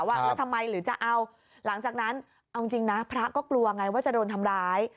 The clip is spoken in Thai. ว่าแล้วทำไมหรือจะเอาหลังจากนั้นเอาจริงนะพระก็กลัวไงว่าจะโดนทำร้าย